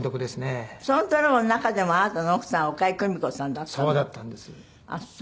そのドラマの中でもあなたの奥さん岡江久美子さんだったの？